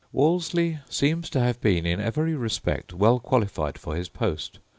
Wolseley seems to have been in every respect well qualified for his post.